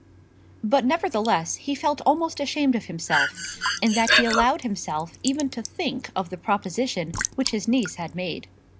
But nevertheless he felt almost ashamed of himself, in that he allowed himself even to think of the proposition which his niece had made.